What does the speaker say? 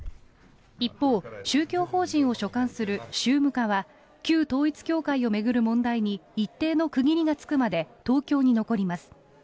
一方、宗教法人を所管する宗務課は旧統一教会を巡る問題に一定の区切りがつくまで東京に残ります。